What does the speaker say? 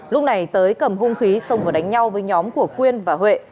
lúc này tới cầm hung khí xong và đánh nhau với nhóm của quyên và huệ